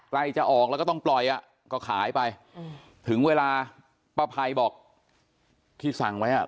ใกล้จะออกแล้วก็ต้องปล่อยอ่ะก็ขายไปถึงเวลาป้าภัยบอกที่สั่งไว้อ่ะ